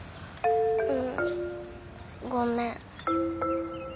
んごめん。